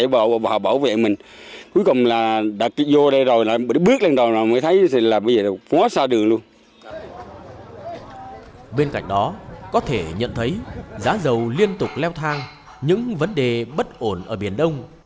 bên cạnh đó có thể nhận thấy giá dầu liên tục leo thang những vấn đề bất ổn ở biển đông